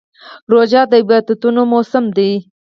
روژه د عبادتونو موسم دی.